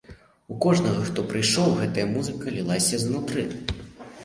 У кожнага, хто прыйшоў, гэтая музыка лілася знутры.